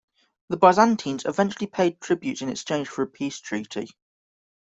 The Byzantines eventually paid tributes in exchange for a peace treaty.